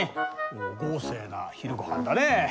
ほう豪勢な昼ごはんだね。